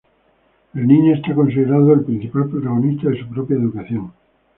El niño es considerado el principal protagonista de su propia educación.